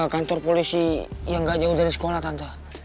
kantor polisi yang gak jauh dari sekolah tante